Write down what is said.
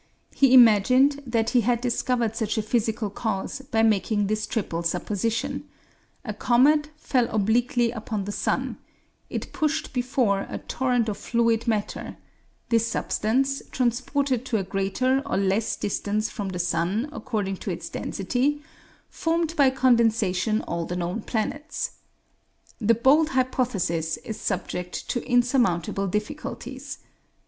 He imagined that he had discovered such a physical cause by making this triple supposition: a comet fell obliquely upon the sun; it pushed before it a torrent of fluid matter; this substance, transported to a greater or less distance from the sun according to its density, formed by condensation all the known planets. The bold hypothesis is subject to insurmountable difficulties.